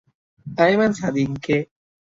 তার এক বোন আছে নাম নাতাশা।